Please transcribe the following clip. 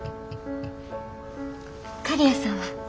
刈谷さんは？